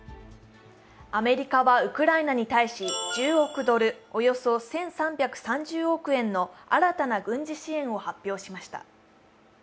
アメリカはウクライナに対し、１０億ドル、およそ１３３０億円の新たな軍事支援を発表しました。